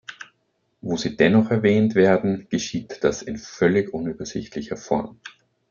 Wo sie dennoch erwähnt werden, geschieht das in völlig unübersichtlicher Form.